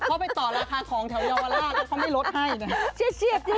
เขาไปต่อราคาของแถวเยาวราชแล้วเขาไม่ลดให้นะ